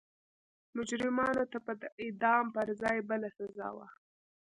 مجرمانو ته به د اعدام پر ځای بله سزا وه.